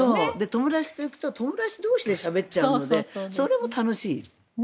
友達と行くと友達同士でしゃべっちゃうのでそれも楽しい。